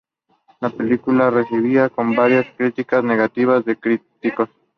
La película fue recibida con varias críticas negativas de críticos.